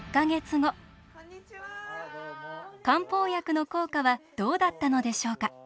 漢方薬の効果はどうだったのでしょうか？